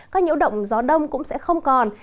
các nhiễu động gió đông cũng sẽ không còn